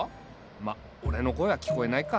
まっ俺の声は聞こえないか。